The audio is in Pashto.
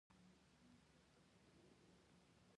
ژبې د افغانستان د طبعي سیسټم د توازن په ساتلو کې مرسته کوي.